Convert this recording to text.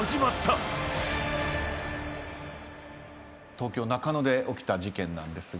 東京中野で起きた事件なんですが。